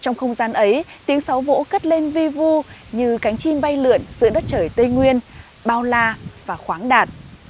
trong không gian ấy tiếng sáo vỗ cất lên vi vu như cánh chim bay lượn giữa đất trời tây nguyên bao la và khoáng đạt